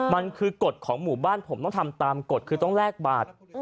มันคือกฎของหมู่บ้านผมต้องทำตามกฎคือต้องแลกบาท